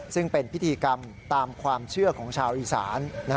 ซึ่งเป็นพิธีกรรมตามความเชื่อของชาวอีสาน